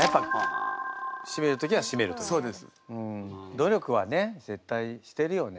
努力はね絶対してるよね。